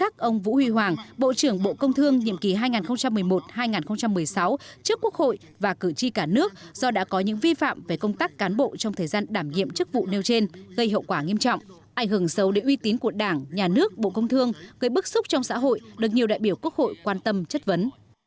trước ông vũ huy hoàng bộ trưởng bộ công thương nhiệm kỳ hai nghìn một mươi một hai nghìn một mươi sáu trước quốc hội và cử tri cả nước do đã có những vi phạm về công tác cán bộ trong thời gian đảm nhiệm chức vụ nêu trên gây hậu quả nghiêm trọng ảnh hưởng sâu đến uy tín của đảng nhà nước bộ công thương gây bức xúc trong xã hội được nhiều đại biểu quốc hội quan tâm chất vấn